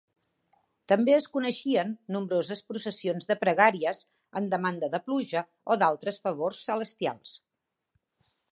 També es coneixen nombroses processons de pregàries en demanda de pluja o d'altres favors celestials.